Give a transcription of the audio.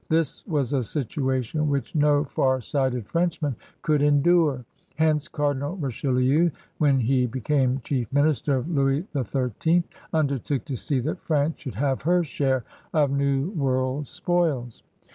This was a situation which no far sighted Frenchman could endure. Hence Cardinal Bichelieu, when he became chief minister of Louis XTTT, undertook to see that France should have her share of New World spoils.